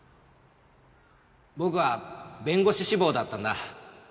僕は弁護士志望だったんだ。